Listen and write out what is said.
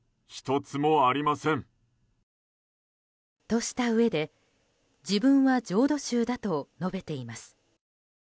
としたうえで自分は浄土宗だと述べています。